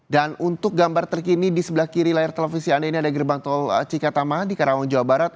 dan untuk gambar terkini di sebelah kiri layar televisi anda ini ada gerbang tol cikatama di karawang jawa barat